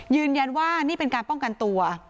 ยืนยันว่านี่เป็นการป้องกันตัว